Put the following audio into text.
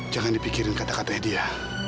jangan dipikirin kata katanya dia